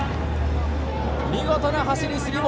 見事な走り、杉森。